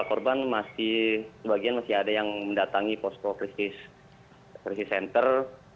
korban masih ada yang mendatangi posco crisis center